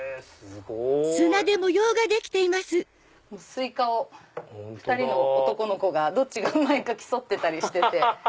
スイカを２人の男の子がどっちがうまいか競ってて。